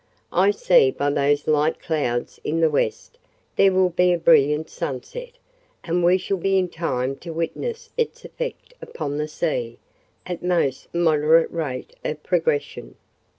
I see, by those light clouds in the west, there will be a brilliant sunset, and we shall be in time to witness its effect upon the sea, at the most moderate rate of progression."